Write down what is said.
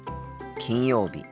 金曜日。